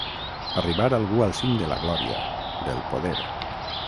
Arribar algú al cim de la glòria, del poder.